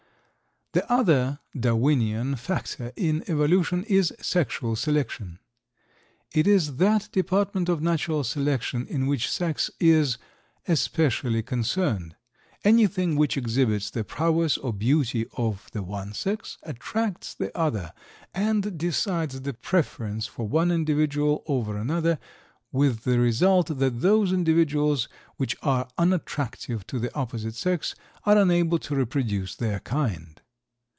The other Darwinian factor in evolution is Sexual Selection. It is that department of Natural Selection in which sex is especially concerned. Anything which exhibits the prowess or beauty of the one sex attracts the other, and decides the preference for one individual over another, with the result that those individuals which are unattractive to the opposite sex are unable to reproduce their kind.